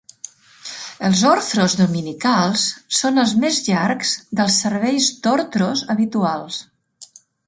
Els orthros dominicals són els més llargs dels serveis d'ortros habituals.